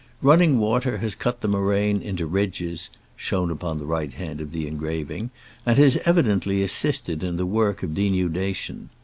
Running water has cut the moraine into ridges (shown upon the right hand of the engraving), and has evi dently assisted in the work of denudation.